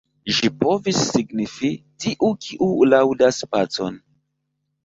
Ĝi povis signifi: "tiu, kiu laŭdas pacon".